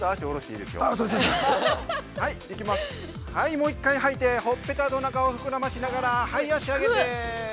もう一回吐いて、ほっぺたの中を膨らませながらはい、足を上げて。